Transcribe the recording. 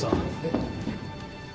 えっ？